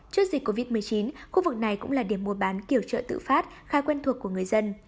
trước dịch covid một mươi chín khu vực này cũng là điểm mua bán kiểu chợ tự phát khá quen thuộc của người dân